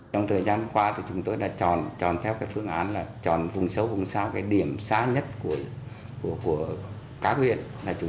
trong thời gian qua chúng tôi đã chọn theo phương án là chọn vùng sâu vùng xa điểm xa nhất của các huyện